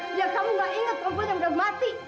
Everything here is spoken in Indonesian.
biar kamu gak inget perempuan yang udah mati